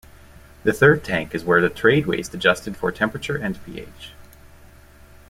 The third tank is where the trade waste adjusted for temperature and pH.